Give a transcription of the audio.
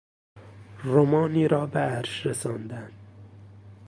رمانی را به عرش رساندن